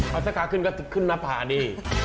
เอาซะขาขึ้นก็ขึ้นมาผ่านดิ